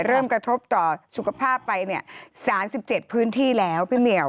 เริ่มกระทบต่อสุขภาพไป๓๗พื้นที่แล้วพี่เหมียว